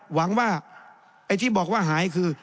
หวังว่าไอ้ที่บอกว่าหายคือ